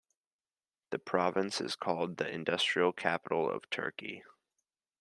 The province is called the industrial capital of Turkey.